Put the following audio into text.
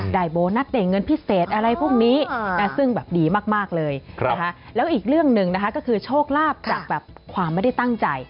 โบนัสได้เงินพิเศษอะไรพวกนี้ซึ่งแบบดีมากเลยนะคะแล้วอีกเรื่องหนึ่งนะคะก็คือโชคลาภจากแบบความไม่ได้ตั้งใจ